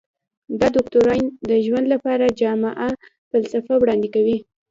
دا دوکتورین د ژوند لپاره جامعه فلسفه وړاندې کوي.